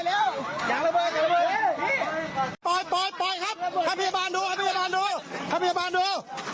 ปล่อยปล่อยครับถ้าพยาบาลดูให้พยาบาลดูถ้าพยาบาลดู